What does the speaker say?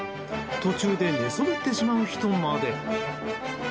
途中で寝そべってしまう人まで。